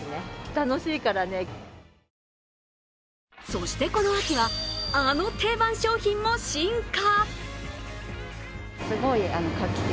そしてこの秋は、あの定番商品も進化。